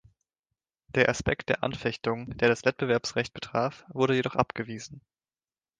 Der Aspekt der Anfechtung, der das Wettbewerbsrecht betraf, wurde jedoch abgewiesen.